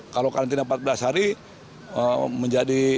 kalau karantina empat belas hari menjadi